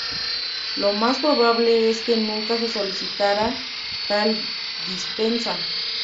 Lo más probable es que nunca se solicitara tal dispensa.